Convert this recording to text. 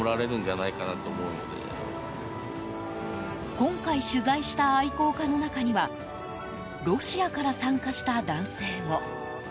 今回取材した愛好家の中にはロシアから参加した男性も。